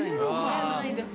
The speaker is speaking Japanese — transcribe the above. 言えないです。